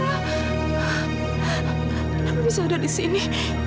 kenapa bisa ada di sini